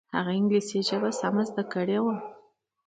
هغې انګلیسي ژبه سمه زده کړې وه